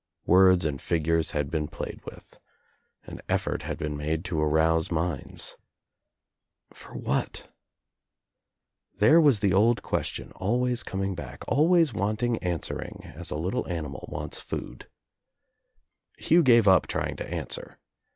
Words and figures had been played with. An effort had been made to arouse minds. For what? There was the old question, always coming back, \ I THE DOOR OF THE TRAP 123 always wanting answering as a little animal wants food. Hugh gave up trying to answer.